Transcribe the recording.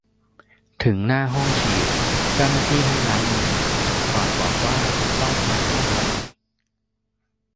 ถึงหน้าห้องฉีด เจ้าหน้าที่ให้ล้างมือ ก่อนบอกว่าต้องไปห้องไหน